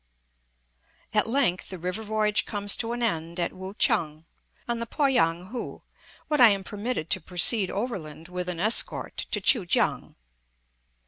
At length the river voyage comes to an end at Wu chang, on the Poyang Hoo, when I am permitted to proceed overland with an escort to Kui kiang.